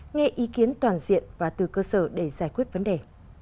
nghe ý kiến toàn diện và từ cơ sở để giải quyết vấn đề